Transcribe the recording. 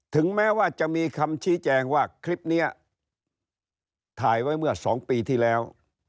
ถึงแม้ว่าจะมีคำชี้แจงว่าคลิปนี้ถ่ายไว้เมื่อ๒ปีที่แล้ว